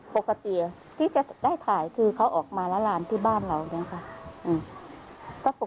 ปกติที่จะได้ถ่ายคือเขาออกมาละลานที่บ้านเราเนี่ยค่ะ